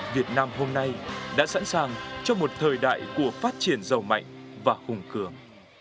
việt nam hôm nay đã sẵn sàng cho một thời đại của phát triển giàu mạnh và hùng cường